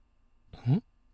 うん？